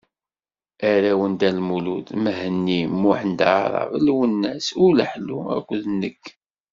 Arraw n Dda Lmulud: Mhenni, Muḥend Aɛṛab, Lwennas, Uleḥlu akked nekk.